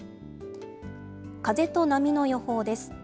風と波の予報です。